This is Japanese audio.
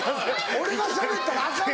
俺がしゃべったらアカンの？